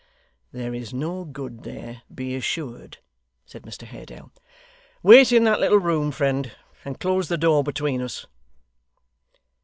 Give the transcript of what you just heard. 'There is no good there, be assured,' said Mr Haredale. 'Wait in that little room, friend, and close the door between us.